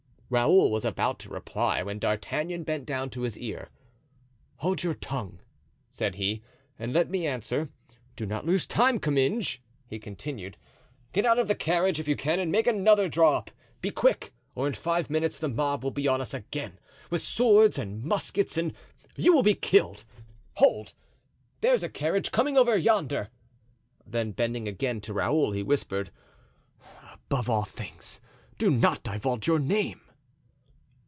Raoul was about to reply when D'Artagnan bent down to his ear. "Hold your tongue," said he, "and let me answer. Do not lose time, Comminges," he continued; "get out of the carriage if you can and make another draw up; be quick, or in five minutes the mob will be on us again with swords and muskets and you will be killed. Hold! there's a carriage coming over yonder." Then bending again to Raoul, he whispered: "Above all things do not divulge your name."